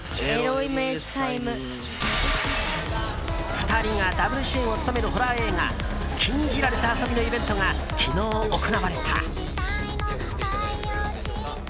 ２人がダブル主演を務めるホラー映画「禁じられた遊び」のイベントが昨日行われた。